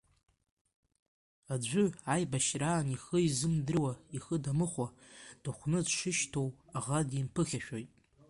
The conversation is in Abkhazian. Аӡәы, аибашьраан ихы изымдыруа, ихы дамыхәо дыхәны дшышьҭоу аӷа димԥыхьашәоит.